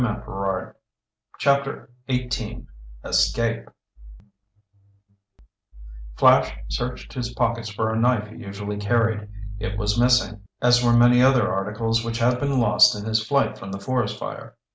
"Maybe I will!" CHAPTER XVIII ESCAPE Flash searched his pockets for a knife he usually carried. It was missing, as were many other articles which had been lost in his flight from the forest fire.